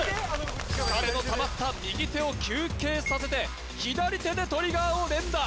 疲れのたまった右手を休憩させて左手でトリガーを連打